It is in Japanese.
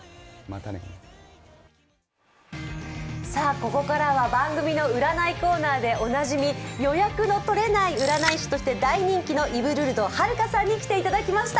ここからは番組の占いコーナーでおなじみ予約の取れない占い師として大人気の、イヴルルド遙華さんに来ていただきました。